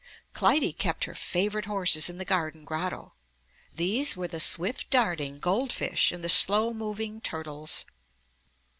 Clytie kept her favorite horses in the garden grotto. These were the swift darting gold fish and the slow moving turtles.